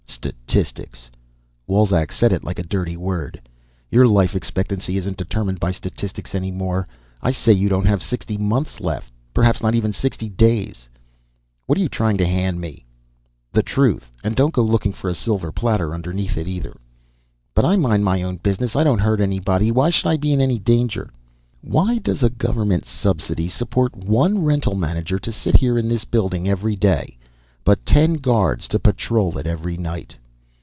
"Statistics!" Wolzek said it like a dirty word. "Your life expectancy isn't determined by statistics any more. I say you don't have sixty months left. Perhaps not even sixty days." "What are you trying to hand me?" "The truth. And don't go looking for a silver platter underneath it, either." "But I mind my own business. I don't hurt anybody. Why should I be in any danger?" "Why does a government subsidy support one rental manager to sit here in this building every day but ten guards to patrol it every night?"